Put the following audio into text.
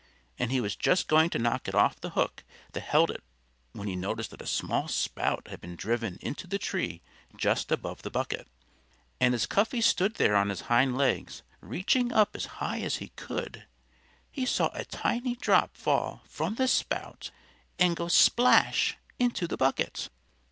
And he was just going to knock it off the hook that held it when he noticed that a small spout had been driven into the tree just above the bucket. And as Cuffy stood there on his hind legs, reaching up as high as he could, he saw a tiny drop fall from the spout and go splash! into the bucket.